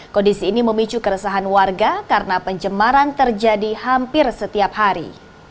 kondisi ini memicu keresahan warga karena pencemaran terjadi hampir setiap hari